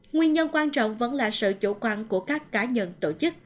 nguyên nhân quan trọng vẫn là sự chủ quan của các cá nhân tổ chức